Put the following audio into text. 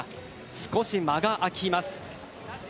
少し間が空きます。